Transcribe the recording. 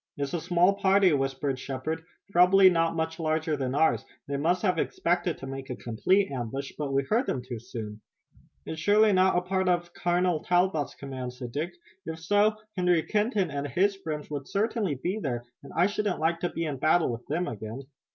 "It's a small party," whispered Shepard, "probably not much larger than ours. They must have expected to make a complete ambush, but we heard them too soon." "It's surely not a part of Colonel Talbot's command," said Dick. "If so, Harry Kenton and his friends would certainly be there and I shouldn't like to be in battle with them again."